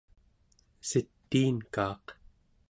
sitiinkaaq